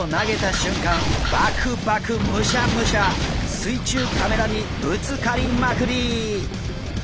水中カメラにぶつかりまくり！